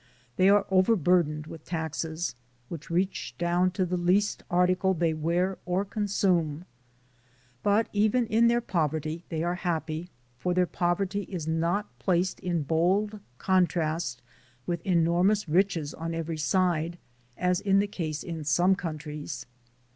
They are overbur dened with taxes, which reach down to the least article they wear or consume. But even in their poverty they are happy, for their poverty is not placed in bold contrast with enormous riches on every side, as is the case in some countries.